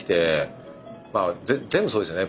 まあ全部そうですよね。